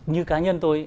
như cá nhân tôi